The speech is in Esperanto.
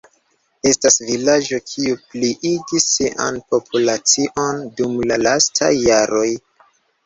Estas vilaĝo kiu pliigis sian populacion dum la lastaj jaroj.